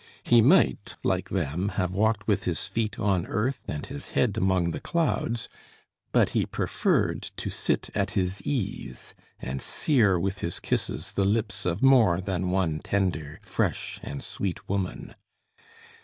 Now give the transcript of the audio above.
He might, like them, have walked with his feet on earth and his head among the clouds, but he preferred to sit at his ease and sear with his kisses the lips of more than one tender, fresh and sweet woman.